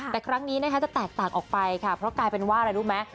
แต่ครั้งนี้นะคะจะแตกต่างออกไปค่ะเพราะกลายเป็นว่าอะไรรู้ไหม